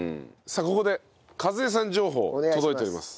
さあここで一枝さん情報届いております。